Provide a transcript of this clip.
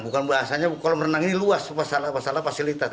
bukan bahasanya kolam renang ini luas pasal pasal fasilitas